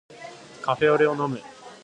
カフェオレを飲む